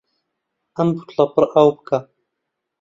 ئەم بوتڵە پڕ ئاو بکە.